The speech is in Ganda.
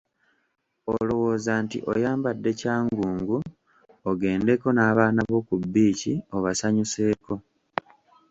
Olowooza nti oyambadde kyangungu ogendeko n’abaana bo ku bbiici obasanyuseeko.